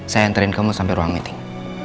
saya anterin kamu sampai ruang meeting